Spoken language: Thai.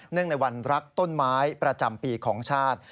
ในวันรักต้นไม้ประจำปีของชาติ